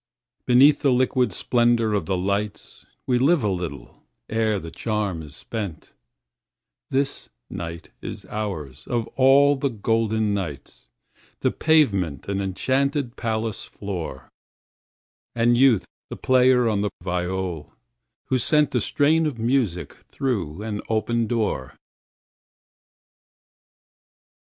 Beneath the liquid splendor of the lights We live a little ere the charm is spent; This night is ours, of all the golden nights, The pavement an enchanted palace floor, And Youth the player on the viol, who sent A strain of music through an open door.